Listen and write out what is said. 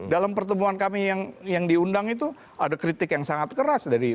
dalam pertemuan kami yang diundang itu ada kritik yang sangat keras dari